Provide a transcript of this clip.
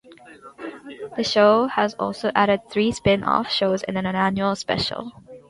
The show has also added three spin-off shows and an annual special.